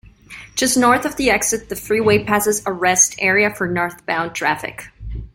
Just north of the exit, the freeway passes a rest area for northbound traffic.